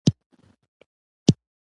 چې جهاد ته مو ولېږي.